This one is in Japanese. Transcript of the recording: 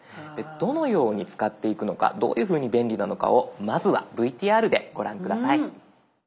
どのように使っていくのかどういうふうに便利なのかをまずはＶＴＲでご覧下さい。